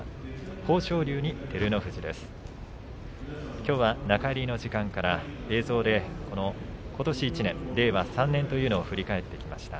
きょうは中入りの時間から映像でことし１年令和３年というのを振り返ってきました。